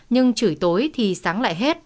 nhưng chửi tối thì sáng lại hết